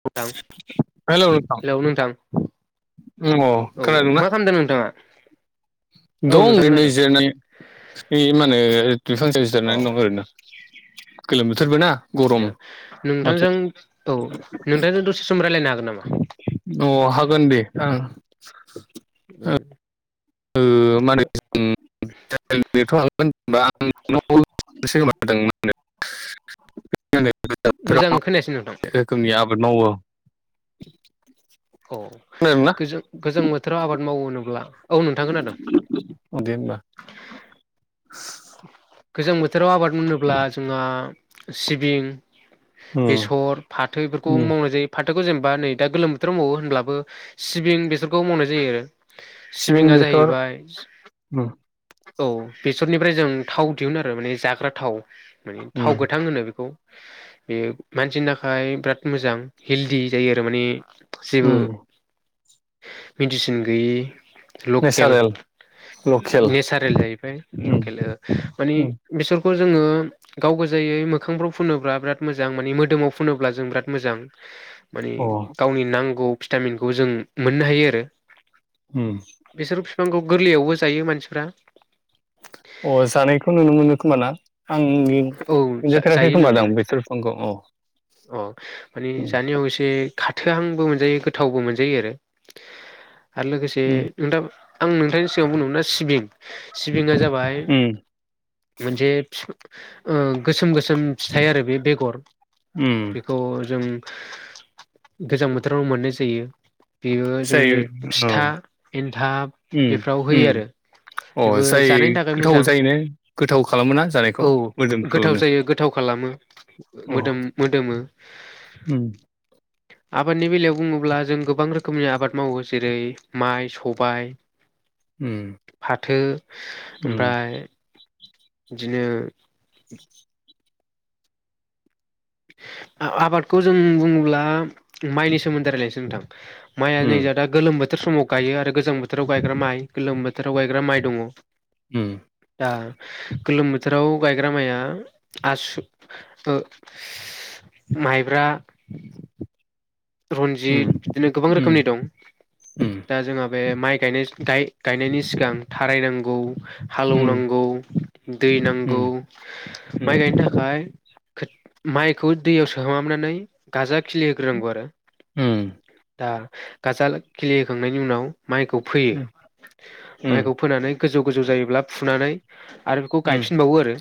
नोंथां हेलौ नोंथां हेलौ नोंथां अ औ खोनादोंना मा खालामदों नोंथाङा? औ दं नोंथां नै खोनादों जिरायनानै ए मा होनो बिफां सायाव औ जिरायनानै दं ओरैनो गोलोम बोथोरबो ना गरम माथो नोंथांजों औ नोंथांजों दसे सम रायलायनो हागोन नामा अ हागोन दे ओं आ रायलायनोथ' बा [unintelligible] आं गोजां बोथोराव मा मोजां मा खोनायासै नोंथां रोखोमनि आबाद मावो [inaudible] औ खोनादोंना गोजां गोजां बोथोराव आबाद मावो होनोब्ला औ नोंथां खोनादों अ दे होनबा गोजां बोथोराव आबाद होनोब्ला जोंहा सिबिं उम बेसर फाथो एफोरखौबो उम मावनाय जायो फाथो खौ जेनेबा नै दा गोलोम बोथोराव मावो होनब्लाबो सिबिं बेसरखौबो मावनाय जायो आरो सिबिं सिबिङा बेसर जाहैबाय उम औ बेसरनिफ्राय जों थाव दिहुननो आरो माने जाग्रा थाव माने उम थाव गोथां होनो बेखौ बेयो मानसिनि थाखाय बिराद मोजां हेलदि जायो आरो माने जेबो उम मेडिसिन गैयि लकेल नेचारेल लकेल नेसारेल जाहैबाय उम लकेल माने उम बेसोर खौ जोङो गाव गोजायै मोखांफ्राव फुनोब्ला बिराद मोजां माने मोदोमाव फुनोब्ला जों बिराद मोजां माने अ उम गावनि नांगौ भिटामिनखौ जों मोननो हायो आरो उ बिसोर बिफांखौ गोरलैयावबो जायो मानसिफ्रा अ जानायखौ नुनो मोनो खोमा ना आं औ मोनजाफेराखै जायो खोमा नोंथां दां बेसर फिफांखौ औ अ माने उम जानायाव एसे खाथोहांबो मोनजायो गोथावबो मोनजायो आरो आरो लोगोसे नों दा आं नोंथांनि सिगाङाव बुंदोंमोनना सिबिं सिबिङा जाबाय उम मोनसे फिफां- ओ गोसोम गोसोम फिथाइ आरो बे बेगर उम बेखौ जों गोजां बोथोराव मोननाय जायो बेयो जोंनि जायो औ फिथा एन्थाब उम बेफोराव होयो उम आरो अ बेबो जाय जानायनि थाखाय गोथाव मोजां जायोने गोथाव खालामो ना जानाय औ गोथाव जायो गोथाव खालामो अ मोदोम मोदोमो उम आबादनि बेलायाव बुङोब्ला जों गोबां रोखोमनि आबाद मावो जेरै माइ सबाय उम फाथो उम ओमफ्राय बिदिनो आबादखौ जों बुङोब्ला माइनि सोमोन्दै रायलायनोसै नोंथां माइआ नै जा दा गोलोम बोथोर समाव गायो आरो गोजां बोथोराव गायग्रा माइ गोलोम बोथोराव गायग्रा माइ दङ उम दा गोलोम बोथोराव गायग्रा माइआ आसु ओ माइब्रा रनजित उम बिदिनो गोबां उम रोखोमनि दं उम दा जोंहा बे माइ- गायनाय गाय गायनायनि सिगां थारायनांगौ उम हालौवनांगौ दै उम नांगौ माइ उम गायनो थाखाय खो माइखौ दैयाव सोमहाबनानै गाजा खिलि होग्रोनांगौ आरो उम दा गाजाल खिलिहोखांनायनि उनाव माइखौ उम फोयो उम माइखौ फोनानै गोजौ गोजौ जायोब्ला फुनानै आरो बेखौ गायफिनबावो आरो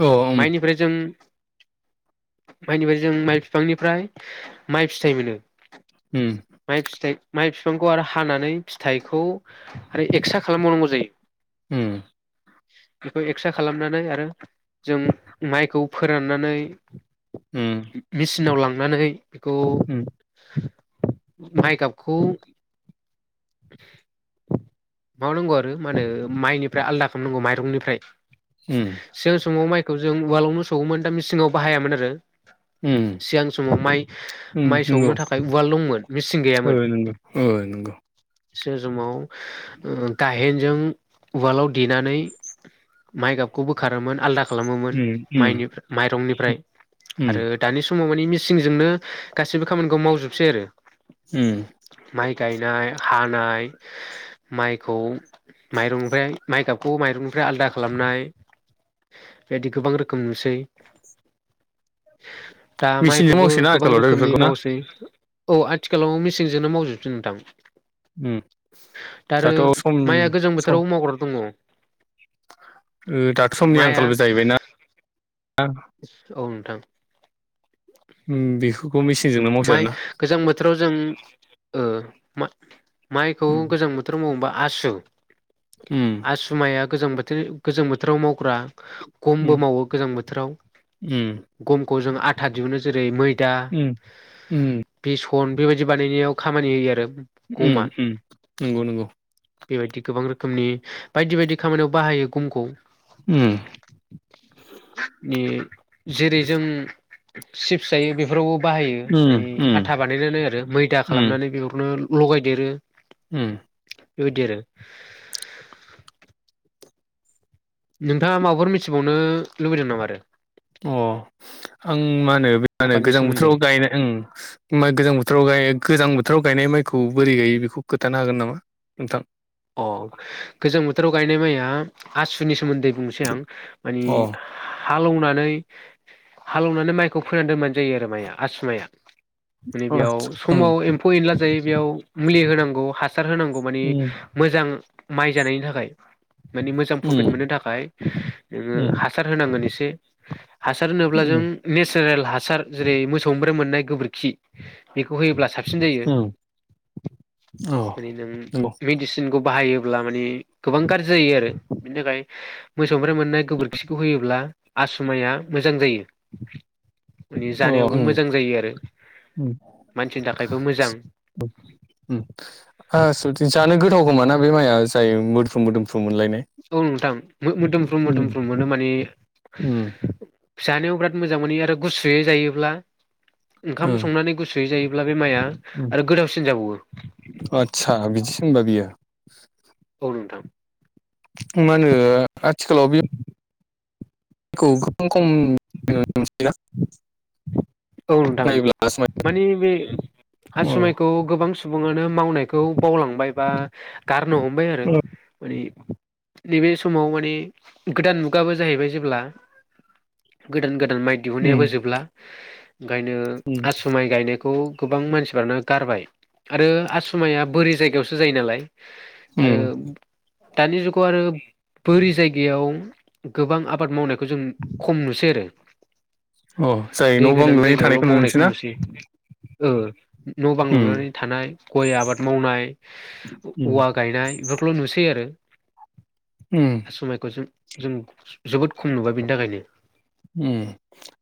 अ उम माइनिफ्राय जों माइनिफ्राय जों माइ फिफांनिफ्राय माइ फिथाइ मोनो उम माइ फिथाइ माइ फिफांखौ आरो हानानै फिथाइखौ आरो एक्सट्रा खालामबावनांगौ जायो उम बेखौ एक्स्रा खालामनानै आरो जों माइखौ फोराननानै उम मेचिनाव लां नानै बेखौ [inaudible] माइगाबखौ माबानांगौ आरो मा होनो माइनिफ्राय आलदा खालामनांगौ माइरंनिफ्राय सिगां समाव माइखौ जों उवालावनो सौवोमोन दा मेसिङाव बाहायामोन आरो उम सिगां समाव माइ उम माइ नंगौ सौनो थाखाय उवाल दंमोन मेचिं ओ गैयामोन नंगौ ओ नंगौ जे समाव उम गाहेनजों उवालाव देनानै माइगाबखौ बोखारोमोन आलदा खालामोमोन उम उम माइनिफ्रा माइरंनिफ्राय आरो उम दानि समाव मानि मिसिंजोंनो गासैबो खामानिखौ मावजोबसै आरो उम माइ गायनाय हानाय माइखौ माइरंनिफ्राय माइगाबखौ माइरंनिफ्राय आलदा खालामनाय बेबायदि गोबां रोखोम नुसै दा मिसिनजों माइखौबो मावसैना गोबां आथिखालावथ' रोखोमनि बेफोरखौ ना मावसै औ आथिखालाव मिससिजोंनो मावजोबसै नोंथां उम दा आरो दाथ' सम माइआ गोजां सम बोथोराव मावग्रा दङ। ओ दाथ' समनि माइआ आंखालबो जाहैबायना औ थां उम बे माइ गोजां बोथोराव जों ओ मा माइखौ उम गोजां बोथोर मावोबा आसु उम आसु माइया गोजां बोथोर गोजां बोथोराव मावग्रा गमबो मावो गोजां बोथोराव उम गमखौ जों आथा दिहुनो जेरै मैदा उम उम उम फन बेबायदि बानायनायाव खामानि होयो आरो गमा उम उम नंगौ नंगौ बेबायदि गोबां रोखोमनि बायदि बायदि खामानियाव बाहायो गमखौ उम नि जेरै जों सिप्स जायो बेफोरावबो बाहायो उम मानि उम आथा बानायनानै आरो मैदा उम खालामनानै बेफोरखौनो लगायदेरो उम बेबायदि आरो नोंथाङा माबाफोर मिथिबावनो लुबैदों नामा आरो अ आं मा होनो मा होनो आबादनि गोजां सोमोन्दै बोथोराव गायनाय ओ गोजां बोथोराव गाय नाय गोजां बोथोराव गायनाय माइखौ बोरै गायो बेखौ खोनथानो हागोन नामा नोंथां अ गोजां बोथोराव गायनाय माइया आसुनि सोमोन्दै बुंनोसै आं माने अ हालौवनानै हालौवनानै माइखौ फोनानै दोनबानो जायो आरो माइया आसु माइया माने बेयाव आतसा उम समाव एम्फौ एनला जायो बेयाव मुलि होनांगौ हा सार होनांगौ मानि उम मोजां माइ जानायनि थाखाय मानि मोजां प्रफिट उम मोननो थाखाय नोङो उम हासार होनांगोन एसे हासार होनोब्ला उम जों नेचारेल हासार जेरै मोसौनिफ्राय मोननाय गोबोरखि बेखौ होयोब्ला साब सिन जायो उम औ माने नों नंगौ मेडिसिन खौ बाहायोब्ला माने गोबां गाज्रि जायो आरो बेनिथाखाय मोसौनिफ्राय मोननाय गोबोरखौ होयोब्ला आसु माइया मोजां जायो माने अ जानायावबो उम मोजां जायो आरो उम औ मानसिनि थाखायबो मोजां [unintelligible] उम आसुथे [unintelligible] जानो गोथाव खोमा ना बे माइआ जाय मोदफ्रु मोदोमफ्रु मोनलायनाय औ नोंथां मोदोमफ्रु उम मोदोमफ्रु मोनो माने उम जानायाव बिराद मोजां मोनो आरो गुसुयै जायोब्ला ओंखाम ओ संनानै गुसुयै जायो बे माइआ उम आरो गोथावसिन जाबावो थंबा गैयो [unintelligible] औ नोंथां मा होनो आथिखालाव बे खौ खोबां [unintelligible] खम बेयो [unintelligible] औ नोंथां मानि बे अ आसु माइखौ ओ गोबां सम सुबुङानो मावनायखौ बावलांबाय बा गारनो हमबाय आरो माने नैबे समाव माने गोदान मुगाबो जाहैबाय जेब्ला गोदान गोदान माइ उम दिहुननायाबो जोबला ओंखायनो आसु माइ गायनाय खौ गोबां मानसिफ्रानो गारबाय आरो आसु माया बोरि जायगायावसो जायो नालाय उम आरो दानि जुगाव आरो बोरि जायगायाव गोबां आबाद मावनायखौ जों खम नुसै आरो अ जायो दै न' बां गोनां लु जायगायावल' मावनायखौ नुसै न' बां उम लुनानै थानाय गय आबाद मावनाय उम औवा गायनाय बेफोरखौल' नुसै आरो उम समायखौ जों जों जोबोद खम नुबाय बेनि थाखायनो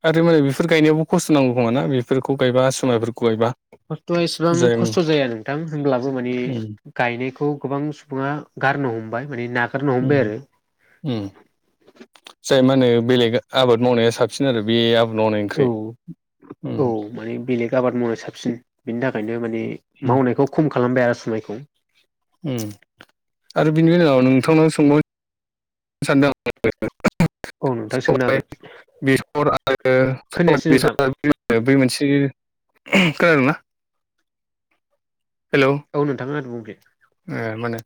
आरो माने बेफोर गायनायावो खस्थ' नांगौ खोमाना बेफोरखौ गायबा आसु मायफोरखौ गायबा खस्थ'आ इसेबां जाय उम खस्थ' जाया नोंथां होमब्लाबो माने गायनायखौ गोबां सुबुङा गारनो हमबाय माने नागारनो उम हमबाय आरो उम मा होनो बेलेग आबाद मावनाया साबसिन आरो बे आबाद औ मावनायनिख्रुइ औ उम माने बेलेग आबाद मावनाय साबसिन बिनि थाखायनो माने मावनायखौ खम खालामबाय आरो मायखौ आरो बिनि उनाव नोंथांनाव सोंबाव सानदों आं औ नोंथां सोंनो हागोन बेसर आरो खोनायासै नोंथां बेसर बै मोनसे खोनादोंना हेलौ औ नोंथाङा बुं दे ए माने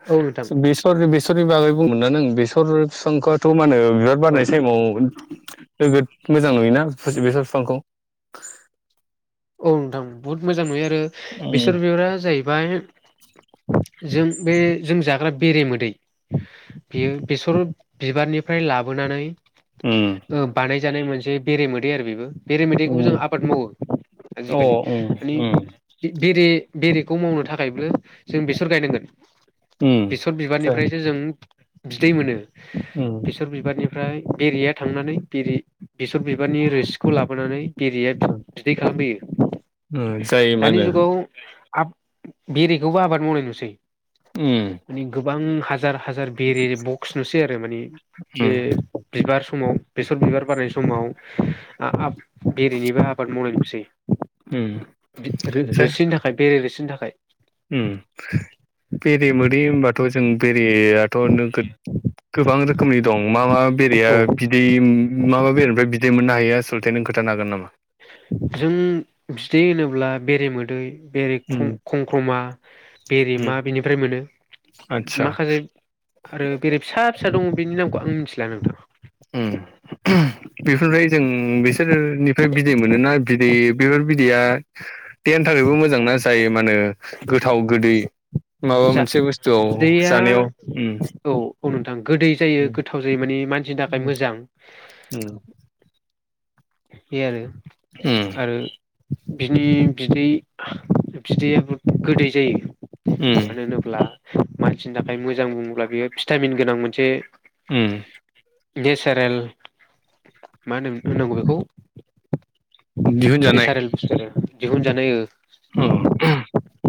बेसर बेसरनि बागै बुंदोंना नों बेसर फिफांआथ' माने बिबार औ बारनाय समाव नोगोद मोजां नुयोना बेसर बिफांखौ औ नोंथां बहुत मोजां नुयो आरो उम बेसर बिबारा जाहैबाय जों बे जों जाग्रा बेरे मोदै बियो बेसर बिबारनिफ्राय लाबोनानै उम बानायजानाय मोनसे बेरे मोदै आरो बेबो बेरे मोदैखौबो उम जों आबाद मावो अ आजिखालि उम माने उम बेरे बेरेखौ मावनो थाखायबो जों बेसर गायनांगोन उम बेसर जाय बिबारनिफ्रायसो जों बिदै मोनो उम बेसर बिबारनि ओमफ्राय बेरिया थांनानै बेरि बेसर बिबारनि रोसिखौ लाबोनानै बेरिया बिदै खालामफैयो जायो दानि मानो जुगाव बेरेखौबो आबाद मावनाय नुसै ए माने गोबां हाजार हाजार बेरे बक्स नुसै आरो माने बे उम बिबार समाव बेसर बिबार बारनाय समाव बेरेनिबो आबाद मावनाय नुसै उम जाय रोसिनि थाखाय बेरे रोसिनि थाखाय बेरे मोदै होनोमबाथ' जों बे बेरेयाथ' गोबां रोखोमनि दं मा मा बेरेया औ बिदै मा मा बेरेनिफ्राय बिदै मोननो हायो आसलथे नों खोनथानो हागोन नामा जों बिदै होनोब्ला बेरेमोदै बेरे उम खंखमा उम बेरेमा बिनिफ्राय मोनो आदसा माखासे आरो बेरे फिसा फिसा दङ बेनि नामखौ आं मिथिला नोंथां ओ बेफोरनिफ्राय जों बिसोरनिफ्राय बिदै मोनोना बिदै बेफोर बिदैया देहानि थाखाय ओरैबो मोजां ना जायो माने गोथाव गोदै माबा जा मोनसे बुस्थुआव बिदैया जानायाव औ औ नोंथां गोदै जायो उम गोथाव जायो माने मानसि नि थाखाय मोजां उम बे आरो उम आरो बिनि बिदै बिदैआबो गोदै जायो उम मानो होनोब्ला मानसिनि थाखाय मोजां बुङोब्ला बेयो भिटामिन गोनां मोनसे ओ नेचारेल मा होन होननांगौ बेखौ बे नेसारेल बुस्थ दिहुन जानाय औ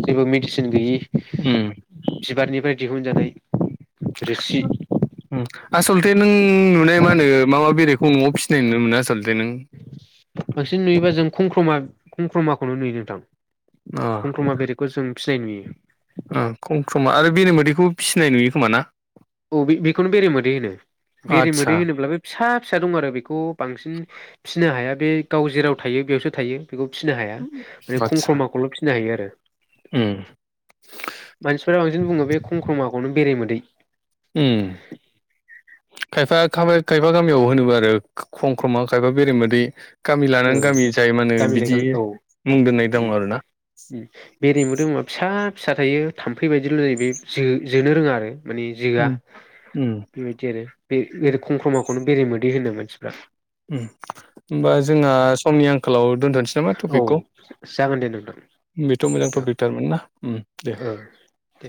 जेबो मेडिसिन गैयि उम बिबारनिफ्राय दिहुनजानाय रोसि उम आसलथे नों नुनाय मा होनो माबा बेरखौ न'आव फिसिनाय नुनो मोनो आसलथे [unintelligible] बांसिन नुयोबा जों खंख्रमा खंख्रमाखौनो नुयो नोंथां अ ओ खंख्रमा बेरेगखौ जों फिनाय नुयो खम - खम आरो बेरे मोदैखौबो फिसिनाय नुयो खोमा ना अ बेखौनो बेराय मादै होनो बेरे आदसा मोदै होनोब्लाबो फिसा- फिसा दं आरो बेखौ बांसिन फिसिनो हाया बे गाव जेराव थायो बेयावसो थायो बेखौ फिसिनो हाया माने आदसा खमख्रमाखौल' फिसिनो हायो आरो उम मानसिफोरा बांसिन बुंङो बे खंख्रमाखौनो बेरेमोदै उम खायफा खा खायफा गामियाव होनो आरो खम ख्रमा खायफा बेरे मोदै गामि ओ लानानै गामि जाय मा होनो गामि बिदि मुं दोननाय दं आरो ना बेरेबो दोबा फिसा फिसा थायो थाम्फै बायदिल' जायो बे जोनो रोंङा आरो माने जिगा उम उम बेबायदि आरो बे खंख्रमाखौनो बेराये मोदै होनो मानसिफ्रा होमबा जोंहा समनि आंखालाव दोनथनोसै नामा औ टपिकखौ जागोन दे नोंथां बेथ' मोजां औ टपिक थारमोन ना दे औ दे